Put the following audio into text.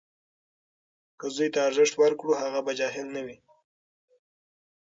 که زوی ته ارزښت ورکړو، هغه به جاهل نه وي.